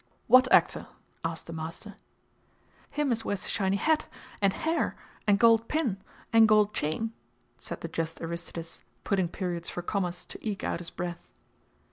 "What actor?" asked the master. "Him as wears the shiny hat. And hair. And gold pin. And gold chain," said the just Aristides, putting periods for commas to eke out his breath.